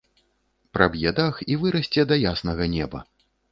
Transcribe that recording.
Праб'е дах і вырасце да яснага неба.